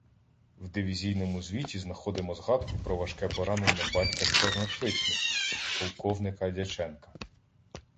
В дивізійному звіті знаходимо згадку про важке поранення "батька" чорношличників — полковника Дяченка.